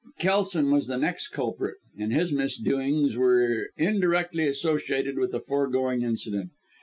Kelson was the next culprit; and his misdoings were indirectly associated with the foregoing incident.